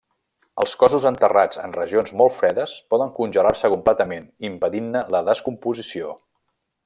Els cossos enterrats en regions molt fredes poden congelar-se completament impedint-ne la descomposició.